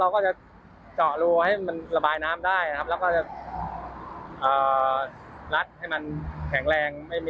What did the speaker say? ก็จะเจาะรูให้มันระบายน้ำได้ครับแล้วก็จะรัดให้มันแข็งแรง